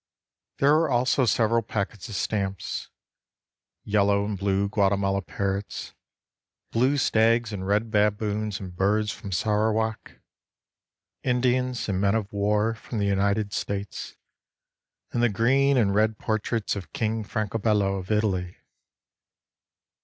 There were also several packets of stamps, Yellow and blue Guatemala parrots, Blue stags and red baboons and birds from Sarawak, Indians and Men of war From the United States, And the green and red portraits Of King Francobello Of Italy.